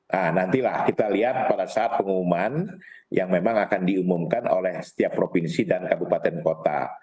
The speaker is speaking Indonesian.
nah nantilah kita lihat pada saat pengumuman yang memang akan diumumkan oleh setiap provinsi dan kabupaten kota